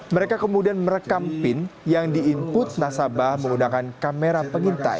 mereka kemudian merekam pin yang di input nasabah menggunakan kamera pengintai